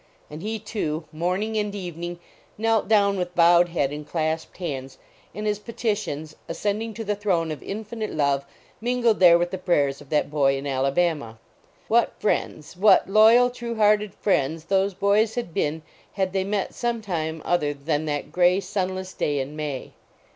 And he, too, morning and evening, knelt down with bowed head and clasped hands, and his peti tions, ascending to the throne of Infinite Love, mingled there with the prayers of that boy in Alabama. What friends, what loyal, truc hcarUd friends, those boys had been had they met some time other than that gray, sunless day in May.